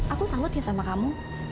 aku sanggut ya sama kamu